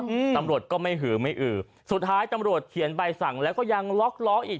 อืมตำรวจก็ไม่หือไม่อือสุดท้ายตำรวจเขียนใบสั่งแล้วก็ยังล็อกล้ออีก